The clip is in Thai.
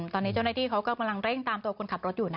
ตอนนี้เจ้าหน้าที่เขาก็กำลังเร่งตามตัวคนขับรถอยู่นะ